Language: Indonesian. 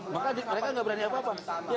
maka mereka nggak berani apa apa